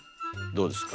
どうですか？